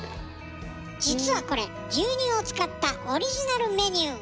実はこれ牛乳を使ったオリジナルメニュー。